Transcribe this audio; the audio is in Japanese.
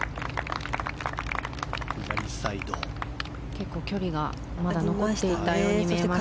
結構、距離が残っていたように見えました。